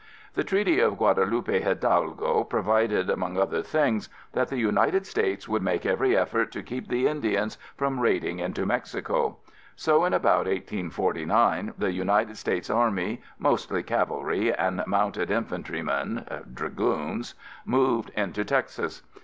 The treaty of Guadalupe Hidalgo provided, among other things, that the United States would make every effort to keep the Indians from raiding into Mexico; so in about 1849, the United States Army, mostly cavalry and mounted infantrymen (Dragoons), moved into Texas.